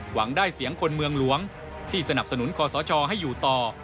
หวังได้เสียงคนเมืองหลวงที่สนับสนุนคอสชให้อยู่ต่อ